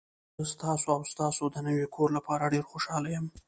زه ستاسو او ستاسو د نوي کور لپاره ډیر خوشحاله یم.